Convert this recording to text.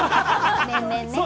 年々ね。